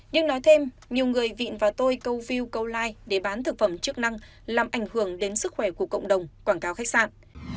nhưng nói thêm nhiều người vịn và tôi câu view câu like để bán thực phẩm chức năng làm ảnh hưởng đến sức khỏe của cộng đồng quảng cáo khách sạn